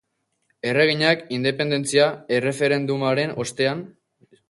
Erreginak, independentzia-erreferendumaren ostean.